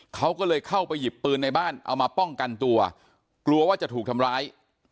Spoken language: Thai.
เขาก็เลยเข้าไปหยิบปืนในบ้านเอามาป้องกันตัวกลัวกลัวว่าจะถูกทำร้าย